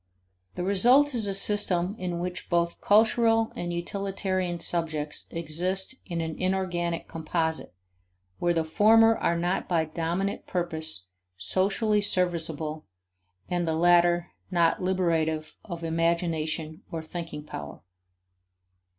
The result is a system in which both "cultural" and "utilitarian" subjects exist in an inorganic composite where the former are not by dominant purpose socially serviceable and the latter not liberative of imagination or thinking power.